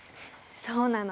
そうなの。